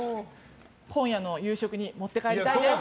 今夜の夕食に持って帰りたいです。